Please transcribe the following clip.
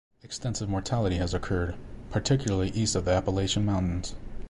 Extensive mortality has occurred, particularly east of the Appalachian Mountains.